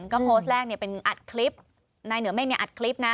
ก็โพสต์แรกเป็นอัดคลิปนายเหนือเมฆเนี่ยอัดคลิปนะ